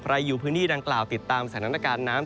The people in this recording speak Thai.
อยู่พื้นที่ดังกล่าวติดตามสถานการณ์น้ำ